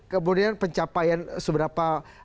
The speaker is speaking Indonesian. kemudian pencapaian seberapa